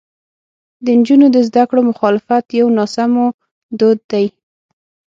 د نجونو د زده کړو مخالفت یو ناسمو دود دی.